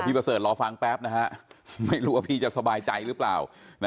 ประเสริฐรอฟังแป๊บนะฮะไม่รู้ว่าพี่จะสบายใจหรือเปล่า